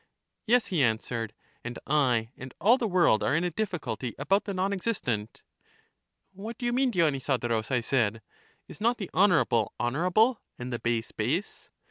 Yes, he answered, and I and all the world are in a difficulty about the non existent. What do you mean, Dionysodorus, I said. Is not the honorable honorable and the base base?